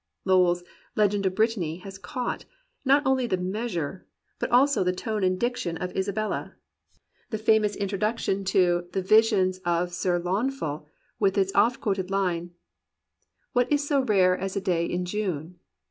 Lowell's "Legend of Brittany" has caught, not only the measure, but also the tone and the diction of "Isa 181 COMPANIONABLE BOOKS bella." The famous introduction to "The Vision of Sir Launfal," with its often quoted line, "What is so rare as a day ia June?'